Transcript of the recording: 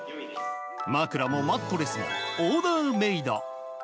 枕もマットレスもオーダーメイド。